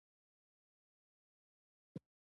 د افغانستان طبیعت له اوښ څخه جوړ شوی دی.